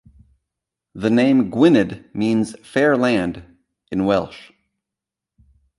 The name Gwynedd means "Fair Land" in Welsh.